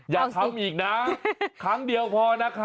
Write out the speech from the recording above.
อย่าทำอีกนะครั้งเดียวพอนะคะ